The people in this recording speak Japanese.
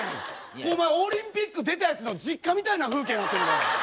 お前オリンピック出たやつの実家みたいな風景になってるから。